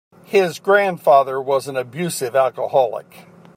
His grandfather was an abusive alcoholic.